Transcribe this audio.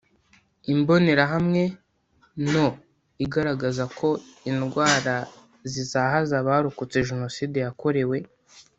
imbonerahamwe no igaragaza ko indwara zizahaza abarokotse jenoside yakorewe